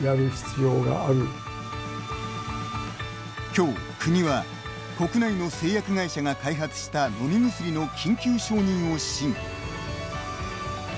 きょう、国は国内の製薬会社が開発した飲み薬の緊急承認を審議。